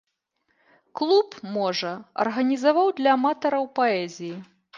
Клуб, можа, арганізаваў для аматараў паэзіі.